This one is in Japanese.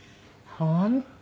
本当。